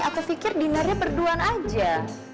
aku pikir dinarnya berduan aja